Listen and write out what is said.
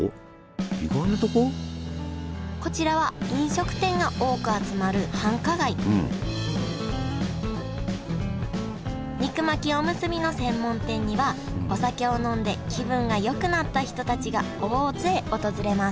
こちらは飲食店が多く集まる繁華街肉巻きおむすびの専門店にはお酒を飲んで気分がよくなった人たちが大勢訪れます